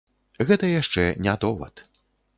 Гэта яшчэ не довад.